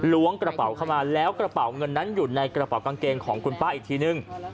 ล้วงกระเป๋าเข้ามาแล้วกระเป๋าเงินนั้นอยู่ในกระเป๋ากางเกงของคุณป้าอีกทีนึง